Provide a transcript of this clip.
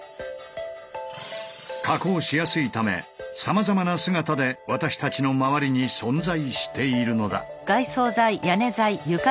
加工しやすいためさまざまな姿で私たちの周りに存在しているのだ。